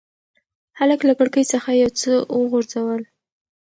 هلک له کړکۍ څخه یو څه وغورځول.